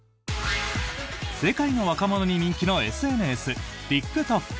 世界の若者に人気のＳＮＳＴｉｋＴｏｋ。